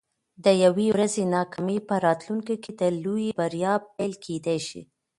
د یوې ورځې ناکامي په راتلونکي کې د لویې بریا پیل کیدی شي.